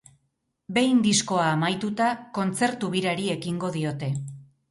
Behin diskoa amaituta, kontzertu birari ekingo diote.